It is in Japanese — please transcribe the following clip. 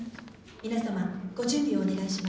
皆様ご準備をお願いします。